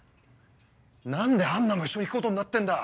何でアンナも一緒に行くことになってんだ？